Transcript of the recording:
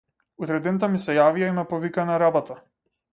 Утредента ми се јавија и ме повикаа на работа.